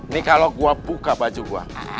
nih kalau gua buka baju gua